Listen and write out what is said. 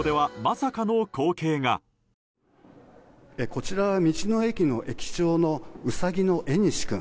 こちら、道の駅の駅長のウサギの縁君。